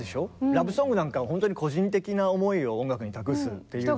ラブソングなんかは本当に個人的な思いを音楽に託すっていう代表。